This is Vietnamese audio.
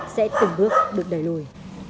sẽ từng bước được đẩy lùi